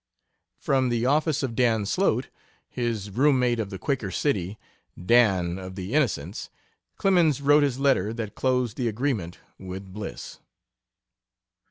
From the office of Dan Slote, his room mate of the Quaker City "Dan" of the Innocents Clemens wrote his letter that closed the agreement with Bliss.